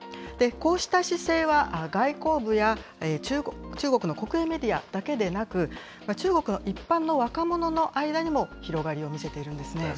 こうした姿勢は、外交部や中国の国営メディアだけでなく、中国の一般の若者の間にも広がりを見せているんですね。